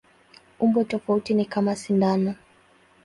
Umbo tofauti ni kama sindano.